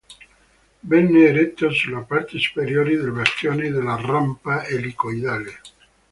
Venne eretto sulla parte superiore del bastione della Rampa elicoidale.